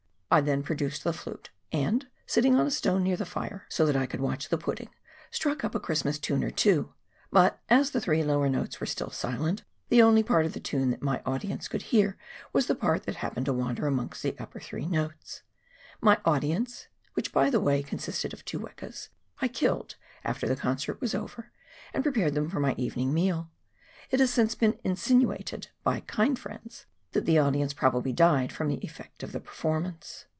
I then produced the flute, and, sitting on a stone near the tire — so that I could r^C^^rJ jV ^^■'^^ x t^ :. A LoNKi.v Christmas. To face pat^t 208. KARANGARUA RIVER. 209 watch the pudding — struck up a Christmas tune or two ; but, as the three lower notes were still silent, the only part of the tune that my audience could hear was the part that happened to wander amongst the upper three notes ! My audience — which, by the way, consisted of two wekas — I killed after the concert was over and prepared them for my evening meal. It has since been insinuated, by kind friends, that the audience probably died from the effect of the performance